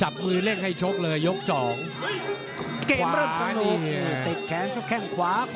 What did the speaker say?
เกมเริ่มขนงเล่กขวา